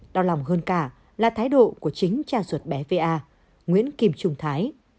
đau lòng hơn cả là thái độ của chính cha ruột bé va nguyễn kim trung thái